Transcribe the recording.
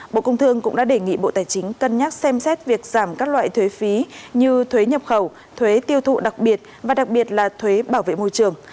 bộ công thương cũng đã đề nghị bộ tài chính cân nhắc xem xét việc giảm các loại thuế phí như thuế nhập khẩu thuế tiêu thụ đặc biệt và đặc biệt là thuế bảo vệ môi trường